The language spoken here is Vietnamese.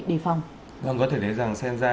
đề phòng vâng có thể thấy rằng xem ra